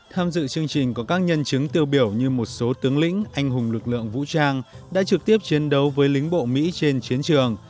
tham dự chương trình có các nhân chứng tiêu biểu như một số tướng lĩnh anh hùng lực lượng vũ trang đã trực tiếp chiến đấu với lính bộ mỹ trên chiến trường